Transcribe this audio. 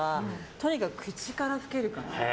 とにかく口から老けるから。